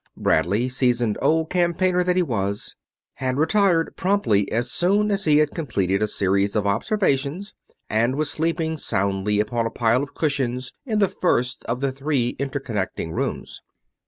Bradley, seasoned old campaigner that he was, had retired promptly as soon as he had completed a series of observations, and was sleeping soundly upon a pile of cushions in the first of the three inter connecting rooms.